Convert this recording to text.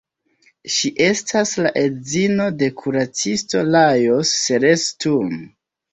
Ŝi estas la edzino de kuracisto Lajos Seres-Sturm.